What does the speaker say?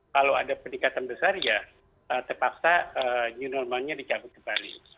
kalau ada peningkatan besar ya terpaksa new normalnya dicabut kembali